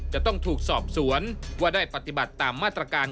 จะต้องถูกสอบสวนว่าได้ปฏิบัติตามมาตรการ